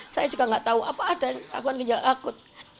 saya juga nggak tahu apa ada kaguan ginjal akut